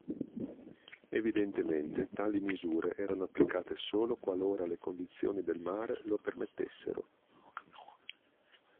Evidentemente tali misure erano applicate solo qualora le condizioni del mare lo permettessero.